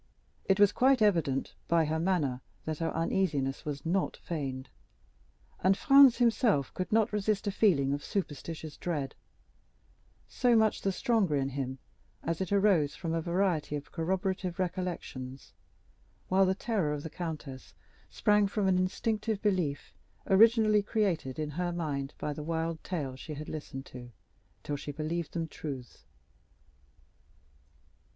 It was quite evident, by her manner, that her uneasiness was not feigned; and Franz himself could not resist a feeling of superstitious dread—so much the stronger in him, as it arose from a variety of corroborative recollections, while the terror of the countess sprang from an instinctive belief, originally created in her mind by the wild tales she had listened to till she believed them truths.